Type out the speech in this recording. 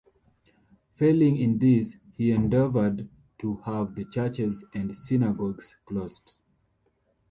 Failing in this, he endeavored to have the churches and synagogues closed.